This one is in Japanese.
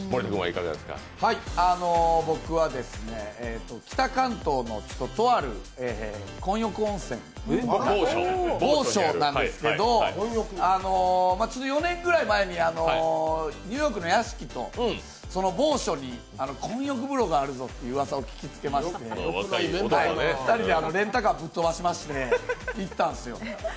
僕は北関東のとある混浴温泉、某所なんですけど、４年くらい前に、ニューヨークの屋敷と某所に混浴風呂があるといううわさを聞きつけまして２人でレンタカーをぶっ飛ばしまして行ったんですよ。